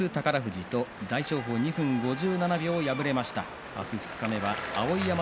大翔鵬、２分５７秒敗れました。